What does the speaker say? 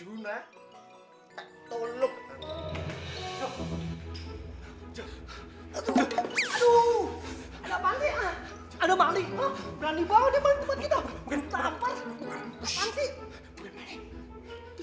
gue melihat hantu